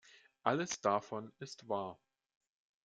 Alles davon ist wahr.